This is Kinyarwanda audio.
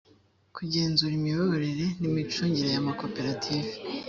kugenzura imiyoborere n imicungire y amakoperative